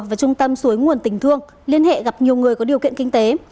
và trung tâm suối nguồn tỉnh thương liên hệ gặp nhiều người có điều kiện kinh tế